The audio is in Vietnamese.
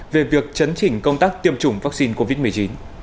về việc chấn chỉnh công tác tiêm chủng vaccine covid một mươi chín